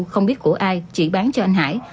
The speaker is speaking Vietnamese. không biết của ai chỉ bán cho anh hải